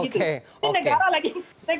terus lagi benting lagi gitu